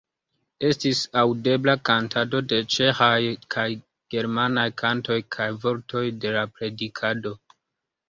Estis aŭdebla kantado de ĉeĥaj kaj germanaj kantoj kaj vortoj de la predikado.